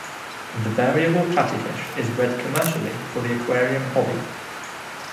The variable platyfish is bred commercially for the aquarium hobby.